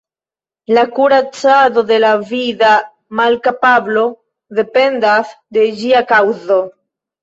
La kuracado de la vida malkapablo dependas de ĝia kaŭzo.